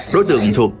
đối tượng thuộc